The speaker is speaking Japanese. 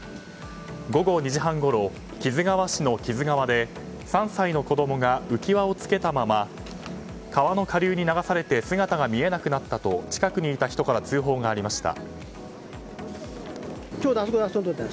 午後２時半ごろ木津川市の木津川で３歳の子供が浮き輪を付けたまま川の下流に流されて姿が見えなくなったと近くにいた人から通報がありました。